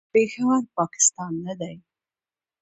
پېښور، پاکستان نه دی.